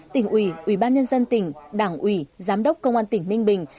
tỉnh ủy ủy ban nhân dân tỉnh đảng ủy giám đốc công an tỉnh ninh bình